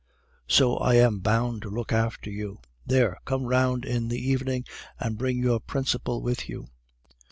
so I am bound to look after you. There, come round in the evening and bring your principal with you!